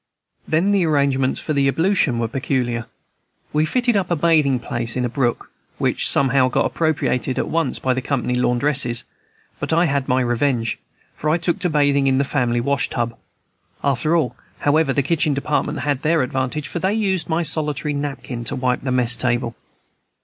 Then the arrangements for ablution were peculiar. We fitted up a bathing place in a brook, which somehow got appropriated at once by the company laundresses; but I had my revenge, for I took to bathing in the family washtub. After all, however, the kitchen department had the advantage, for they used my solitary napkin to wipe the mess table.